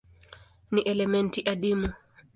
Ni elementi adimu.